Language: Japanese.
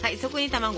卵。